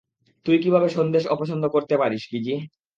তুই কীভাবে সন্দেশ অপছন্দ করতে পারিস, কিজি?